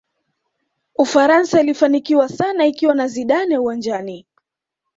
ufaransa ilifanikiwa sana ikiwa na zidane uwanjani